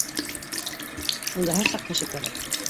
Унда һәр саҡ кеше кәрәк